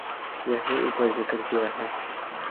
جیسے اوپر ذکر کیا ہے۔